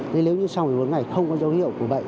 thế nếu như sau một mươi bốn ngày không có dấu hiệu của bệnh